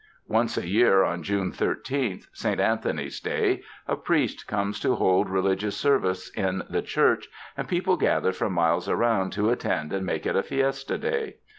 Once a year, on June thirteenth, Saint iVnthony's day, a priest comes to hold re ligious service in the church, and people gather from miles around to attend and make it a fiesta day.